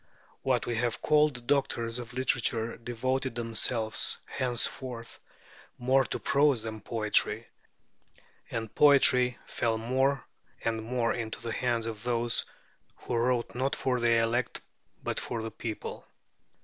What we have called the doctors of literature devoted themselves henceforth more to prose than to poetry, and poetry fell more and more into the hands of those who wrote not for the elect but for the people.